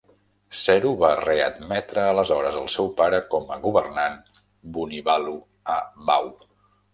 Seru va readmetre aleshores el seu pare com a governant Vunivalu a Bau.